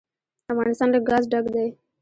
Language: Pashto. افغانستان له ګاز ډک دی.